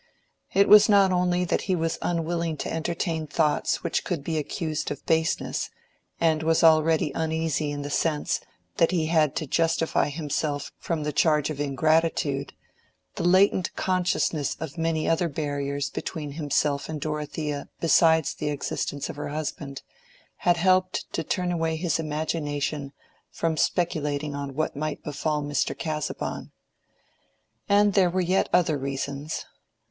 It was not only that he was unwilling to entertain thoughts which could be accused of baseness, and was already uneasy in the sense that he had to justify himself from the charge of ingratitude—the latent consciousness of many other barriers between himself and Dorothea besides the existence of her husband, had helped to turn away his imagination from speculating on what might befall Mr. Casaubon. And there were yet other reasons.